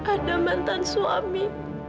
ada mantan suami